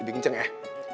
lebih kenceng ya